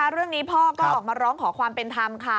เรื่องนี้พ่อก็ออกมาร้องขอความเป็นธรรมค่ะ